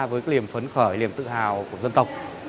với cái niềm phấn khởi niềm tự hào của dân tộc